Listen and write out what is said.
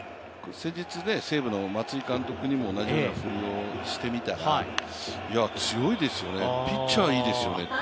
先日、西武の松井監督にも同じ振りをしてみたら強いですよね、ピッチャーいいですよねと。